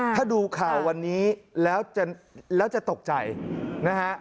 ถ้าดูข่าววันนี้แล้วจะตกใจนะฮะ